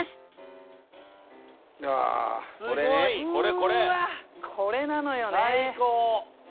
これなのよね！